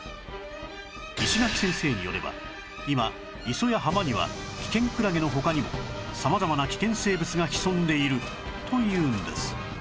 石垣先生によれば今磯や浜には危険クラゲの他にも様々な危険生物が潜んでいるというんです